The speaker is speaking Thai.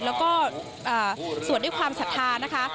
แล้วก็สวดด้วยความศรัทธานะคะ